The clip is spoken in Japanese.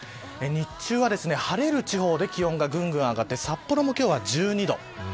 日中は晴れる地方で気温がぐんぐん上がって札幌も今日は１２度。